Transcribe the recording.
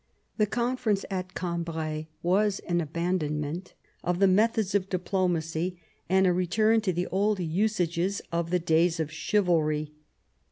The conference at Cambrai was an aban donment of the methods of diplomacy and a return to the old usages of the days of chivalry.